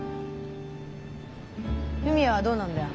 文也はどうなんだよ。